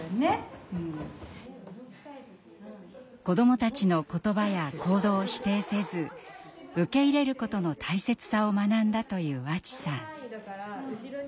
子どもたちの言葉や行動を否定せず受け入れることの大切さを学んだという和智さん。